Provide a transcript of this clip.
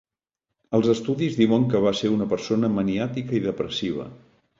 Els estudis diuen que va ser una persona maniàtica i depressiva.